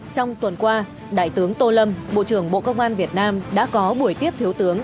trong tuần qua đại tướng tô lâm bộ trưởng bộ công an việt nam đã có buổi tiếp thiếu tướng